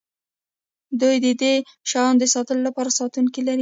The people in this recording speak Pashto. دوی د دې شیانو د ساتلو لپاره ساتونکي لري